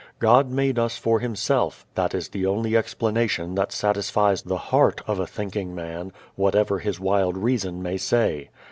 God made us for Himself: that is the only explanation that satisfies the heart of a thinking man, whatever his wild reason may say.